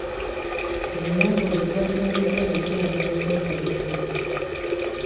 Omulambo gwe gwatwaliddwa mu ddwaliro okwekebejjebwa.